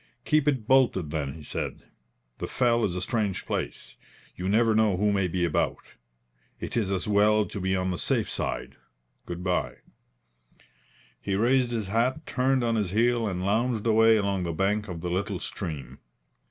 "Keep it bolted, then," he said. "The fell is a strange place. You never know who may be about. It is as well to be on the safe side. Goodbye." He raised his hat, turned on his heel and lounged away along the bank of the little stream.